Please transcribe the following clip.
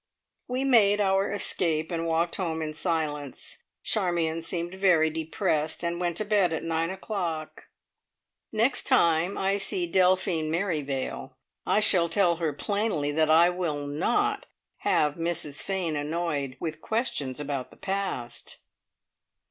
We made our escape, and walked home in silence. Charmion seemed very depressed, and went to bed at nine o'clock. Next time I see Delphine Merrivale, I shall tell her plainly that I will not have Mrs Fane annoyed with questions about the past!